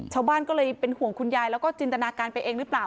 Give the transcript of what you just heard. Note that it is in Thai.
ชาวบ้านก็เลยเป็นห่วงคุณยายแล้วก็จินตนาการไปเองหรือเปล่า